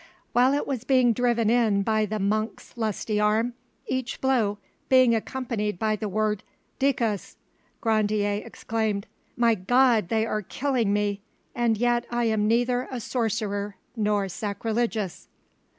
While it was being driven in by the monk's lusty arm, each blow being accompanied by the word "'Dicas'!" Grandier exclaimed— "My God! they are killing me, and yet I am neither a sorcerer nor sacrilegious!"